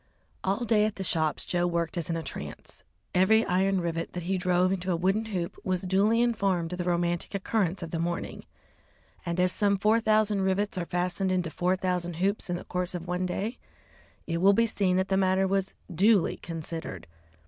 All day at the shops Joe worked as in a trance. Every iron rivet that he drove into a wooden hoop was duly informed of the romantic occurrence of the morning, and as some four thousand rivets are fastened into four thousand hoops in the course of one day, it will be seen that the matter was duly considered.